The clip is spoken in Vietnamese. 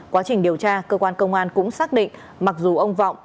quá trình điều tra cơ quan công an cũng xác định mặc dù ông vọng